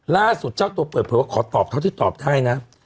ล่าสุดเจ้าตัวเปิดเผยว่าขอตอบเท่าที่ตอบได้นะ